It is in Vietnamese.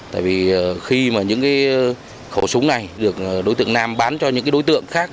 tại vì khi mà những khẩu súng này được đối tượng nam bán cho những đối tượng khác